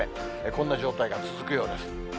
こんな状態が続くようです。